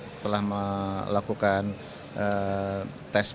setelah melakukan tes beberapa